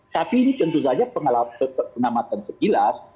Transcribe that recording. tapi ini tentu saja pengamatan sekilas